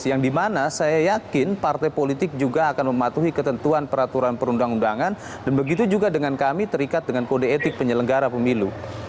yang dimana saya yakin partai politik juga akan mematuhi ketentuan peraturan perundang undangan dan begitu juga dengan kami terikat dengan kode etik penyelenggara pemilu